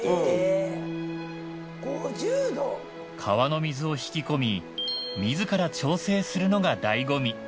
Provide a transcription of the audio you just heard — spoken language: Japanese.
川の水を引き込み自ら調整するのが醍醐味。